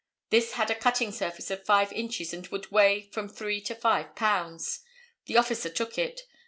This had a cutting surface of five inches and would weigh from three to five pounds. The officer took it.